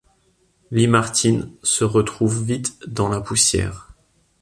Lee Martin se retrouve vite dans la poussière.